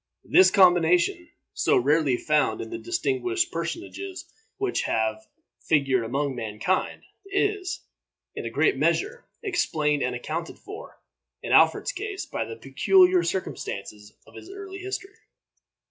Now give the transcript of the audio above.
This combination, so rarely found in the distinguished personages which have figured among mankind, is, in a great measure, explained and accounted for, in Alfred's case, by the peculiar circumstances of his early history.